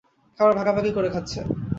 খাবার ভাগাভাগি করে খাচ্ছে।